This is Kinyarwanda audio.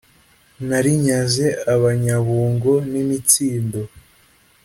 narinyaze abanyabungo ni mitsindo